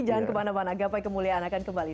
jangan kemana mana gapai kemuliaan akan kembali